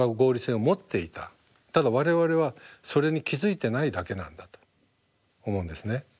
ただ我々はそれに気付いてないだけなんだと思うんですね。